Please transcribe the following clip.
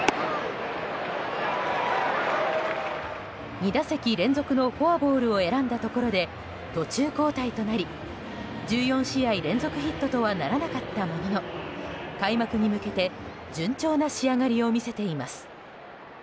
２打席連続のフォアボールを選んだところで途中交代となり１４試合連続ヒットとはならなかったものの開幕に向けて順調な仕上がりを見せています。